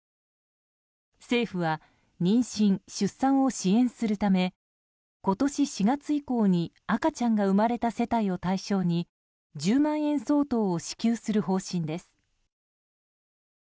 政府は妊娠・出産を支援するため今年４月以降に赤ちゃんが生まれた世帯を対象に１０万円相当を支給する方針です。